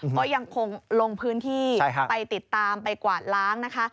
ก็ยังคงลงพื้นที่ไปติดตามไปกวาดล้างนะคะ